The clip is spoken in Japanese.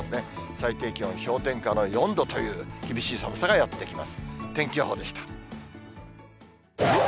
最低気温、氷点下の４度という厳しい寒さがやって来ます。